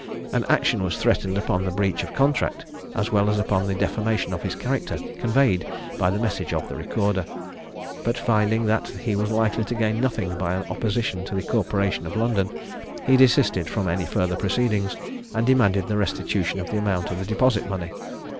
An action was threatened upon the breach of contract, as well as upon the defamation of his character, conveyed by the message of the recorder; but finding that he was likely to gain nothing by an opposition to the corporation of London, he desisted from any further proceedings, and demanded the restitution of the amount of the deposit money.